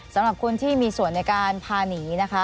สำหรับคนที่มีส่วนในการพาหนีนะคะ